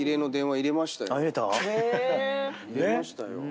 入れましたよ。